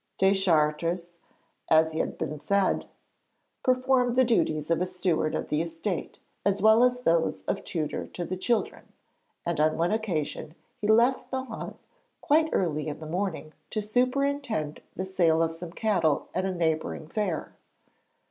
Deschartres, as has been said, performed the duties of a steward of the estate, as well as those of tutor to the children, and on one occasion he left Nohant quite early in the morning to superintend the sale of some cattle at a neighbouring fair.